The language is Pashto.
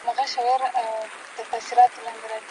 ايډيالوژي له سياست سره نه شلېدونکې اړيکې لري.